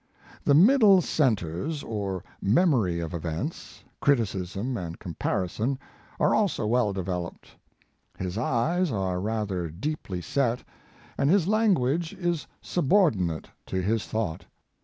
The middle centers, or memory of events, criticism and com parison, are also well developed. His eyes are rather deeply set, and his lan guage is subordinate to his thought.